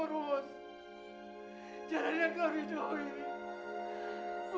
tujukanlah jalan yang lurus